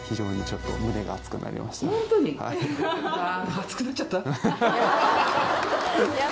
熱くなっちゃった？